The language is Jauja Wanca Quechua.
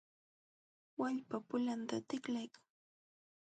Wallpa pulanta tiklaykan.